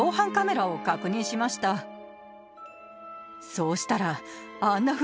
そうしたら。